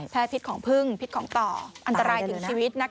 แพ้ผิดของผึ้งผิดของต่ออันตรายถึงชีวิต